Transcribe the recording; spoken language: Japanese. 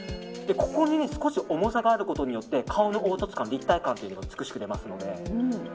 ここに少し重さがあることによって顔の凹凸感、立体感が美しく出ますので。